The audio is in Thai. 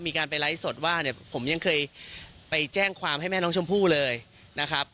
มีการไปไลฟ์สดว่าเนี่ยผมยังเคยไปแจ้งความให้แม่น้องชมพู่เลยนะครับ